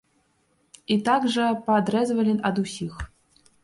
І так жа паадрэзвалі ад усіх.